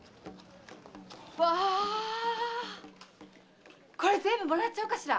わぁこれ全部もらっちゃおうかしら。